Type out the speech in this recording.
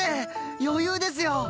余裕ですよ！